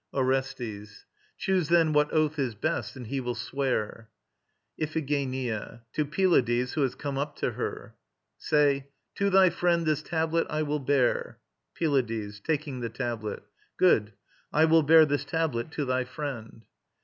ORESTES. Choose then what oath is best, and he will swear. IPHIGENIA (to PYLADES, who has come up to her). Say: "To thy friend this tablet I will bear." PYLADES (TAKING THE TABLET). Good. I will bear this tablet to thy friend.